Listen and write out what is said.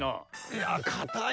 いやかたいね！